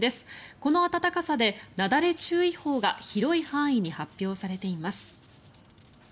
この暖かさで、なだれ注意報が広い範囲に発表されています。